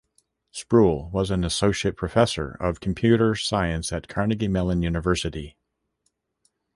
Sproull was an Associate Professor of Computer Science at Carnegie Mellon University.